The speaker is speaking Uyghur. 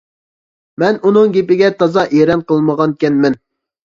مەن ئۇنىڭ گېپىگە تازا ئېرەن قىلمىغانىكەنمەن.